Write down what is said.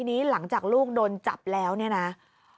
อาจลูกหรือไปชาย